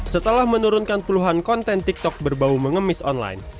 setelah menurunkan puluhan konten tiktok berbau mengemis online